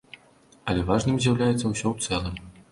Але важным з'яўляецца ўсё ў цэлым.